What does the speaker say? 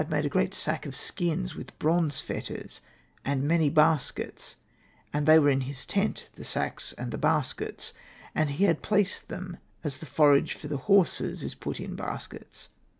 made a great sack of skins with bronze fetters, and many baskets : and they were in his tent, the sacks and the baskets, and he had placed them as the forage for the horses is put in baskets.